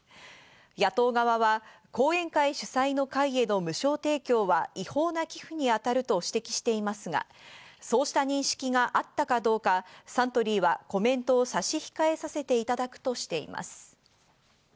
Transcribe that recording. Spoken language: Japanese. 野党側は後援会主催の会への無償提供は違法な寄付に当たると指摘していますが、そうした認識があったかどうか、サントリーはコメントを差し控えさせていただくとしています。